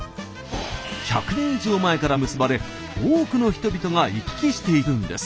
１００年以上前から結ばれ多くの人々が行き来しているんです。